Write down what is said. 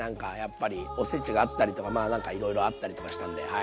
おせちがあったりとかまあなんかいろいろあったりとかしたんではい。